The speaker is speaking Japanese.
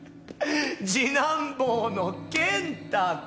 次男坊の健太君。